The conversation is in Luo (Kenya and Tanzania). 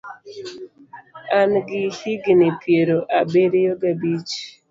An gi higni piero abiriyo gabich.